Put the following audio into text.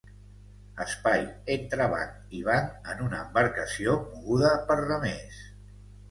Espai entre banc i banc en una embarcació moguda per remers.